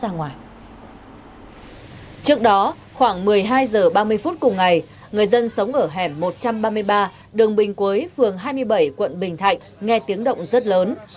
nghe tiếng động rất lớn